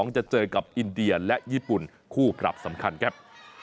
จะเจอกับอินเดียและญี่ปุ่นคู่ปรับสำคัญครับ